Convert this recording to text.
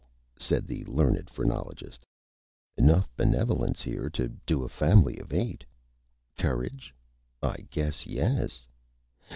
said the Learned Phrenologist "Enough Benevolence here to do a family of Eight. Courage? I guess yes!